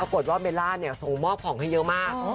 ปรากฏว่าเบลล่าส่งมอบของให้เยอะมาก